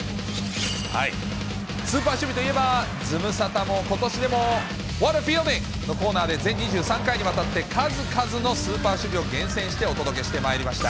スーパー守備といえば、ズムサタもことしもワット・ア・フィールディングのコーナーで全２３回にわたって数々のスーパー守備を厳選してお届けしてまいりました。